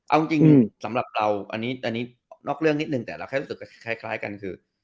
เอาจริงสำหรับเราอันนี้นอกเรื่องนิดนึงแต่เราแค่รู้สึกคล้ายกันคือ